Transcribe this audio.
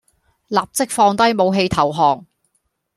立即放低武器投降